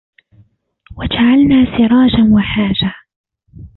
وجعلنا سراجا وهاجا